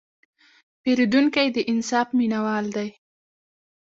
پیرودونکی د انصاف مینهوال دی.